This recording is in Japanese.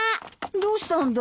どうしたんだい？